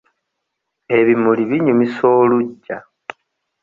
Ebimuli binyumisa oluggya.